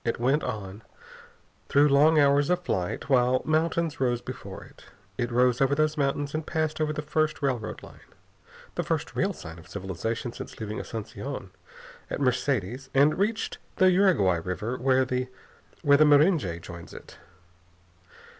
It went on, through long hours of flight, while mountains rose before it. It rose over those mountains and passed over the first railroad line the first real sign of civilization since leaving Asunción at Mercedes, and reached the Uruguay river where the Mirinjay joins it.